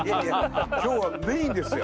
今日はメインですよ。